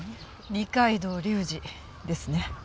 二階堂隆二ですね。